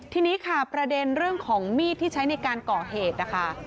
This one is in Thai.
ทีนี้ค่ะประเด็นเรื่องของมีดที่ใช้ในการก่อเหตุนะคะ